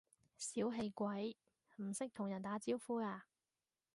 小氣鬼，唔識同人打招呼呀？